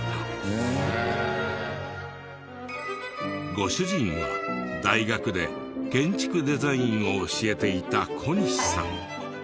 ご主人は大学で建築デザインを教えていた小西さん。